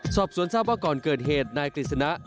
สอบสวนทราบว่าก่อนเกิดเหตุนายกฤษณะ